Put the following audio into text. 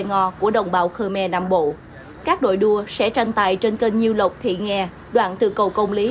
ngo trong đồng bào khmer nam bộ các đội đua sẽ tranh tại trên kênh nhiêu lộc thị nghè đoạn từ cầu công lý